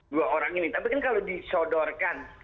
dua orang ini tapi kan kalau disodorkan